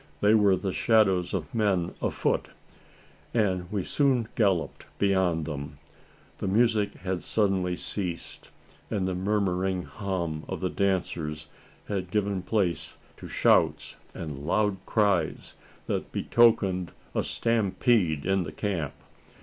They were the shadows of men afoot; and we soon galloped beyond them. The music had suddenly ceased; and the murmuring hum of the dancers had given place to shouts and loud cries, that betokened a stampede in the camp.